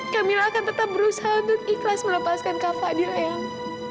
kamila akan tetap berusaha untuk ikhlas melepaskan kak fadil eyang